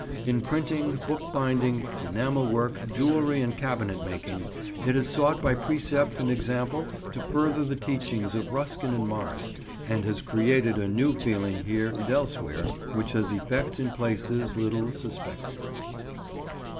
In printing, bookbinding, enamel work, jewellery and cabinet making it has sought by precept and example to further the teachings of Ruskin and Morris, and has created a new feeling here and elsewhere which has effects in places little suspected.